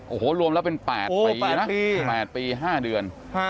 โอ้โหรวมแล้วเป็น๘ปีนะ๘ปี๕เดือน